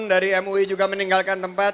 dari mui juga meninggalkan tempat